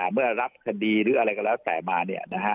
เมื่อรับคดีหรืออะไรก็แล้วแต่มา